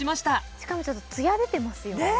しかもちょっとツヤ出てますよねね